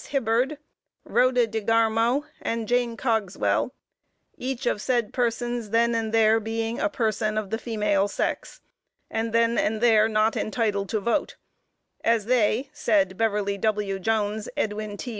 Hibbard, Rhoda DeGarmo, and Jane Cogswell, each of said persons then and there being a person of the female sex, and then and there not entitled to vote, as they, said Beverly W. Jones, Edwin T.